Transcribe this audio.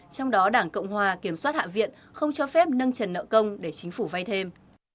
trong đó đảng cộng hòa kiểm soát hạ viện không cho phép nâng trần nợ công để chính phủ vay thêm